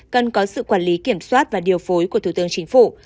cần có sự quản lý kiểm soát và điều phối của thủ tướng chính phủ